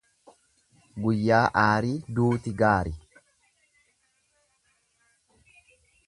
Guyyaa aarii duuti gaari.